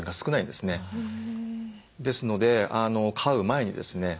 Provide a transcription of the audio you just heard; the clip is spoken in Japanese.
ですので飼う前にですね